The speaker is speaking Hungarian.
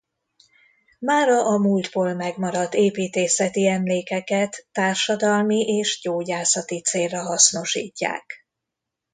Mára a múltból megmaradt építészeti emlékeket társadalmi és gyógyászati célra hasznosítják.